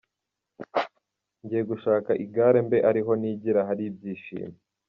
Ngiye gushaka igare mbe ariho nigira hari ibyishimo.